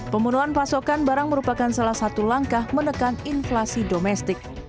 pembunuhan pasokan barang merupakan salah satu langkah menekan inflasi domestik